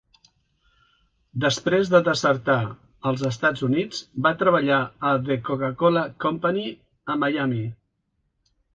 Després de desertar als Estats Units, va treballar a The Coca-Cola Company a Miami.